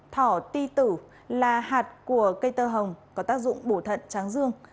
thỏ ti tử là hạt của cây tơ hồng có tác dụng bổ thận tráng dương